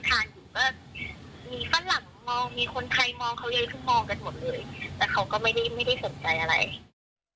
แต่เขาก็ไม่ได้ไม่ได้สนใจอะไร